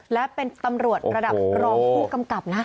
และเป็นตำรวจรดับรศบนะ